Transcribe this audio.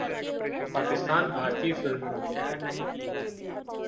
پاکستان، بھارتی فلموں